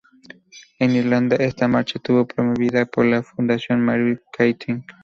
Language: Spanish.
En Irlanda, esta marcha estuvo promovida por la "Fundación Marie Keating".